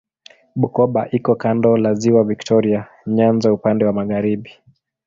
Bukoba iko kando la Ziwa Viktoria Nyanza upande wa magharibi.